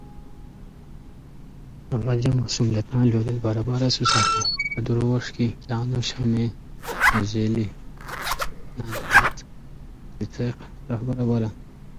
The closest western European equivalent is the estoc, or "tuck".